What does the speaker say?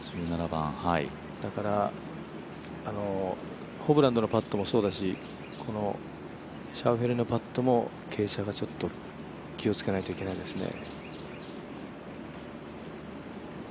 だから、ホブランドのパットもそうだしこのシャウフェレのパットも傾斜が気をつけないといけないですね。